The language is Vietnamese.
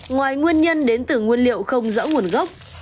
ngoài nguyên nhân đến từ nguyên liệu không rõ nguồn gốc